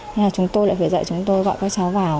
thế là chúng tôi lại phải dậy chúng tôi gọi các cháu vào